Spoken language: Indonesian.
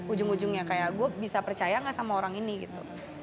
ujung ujungnya kayak gue bisa percaya gak sama orang ini gitu